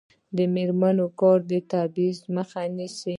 د میرمنو کار د تبعیض مخه نیسي.